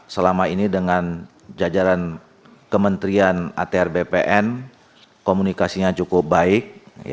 selama ini dengan jajaran kementerian atr bpn komunikasinya cukup baik